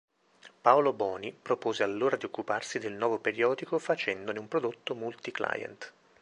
Paolo Boni propose allora di occuparsi del nuovo periodico facendone un prodotto multi-client.